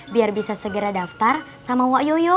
biar bisa segera daftar sama wak yoyo